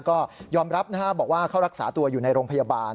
ก็ยอมรับบอกว่าเขารักษาตัวอยู่ในโรงพยาบาล